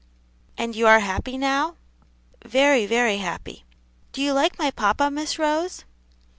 "And you are very happy now?" "Very, very happy. Do you like my papa, Miss Rose?"